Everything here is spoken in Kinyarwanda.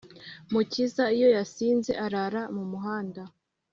mukiza iyo yasinze arara mu muhanda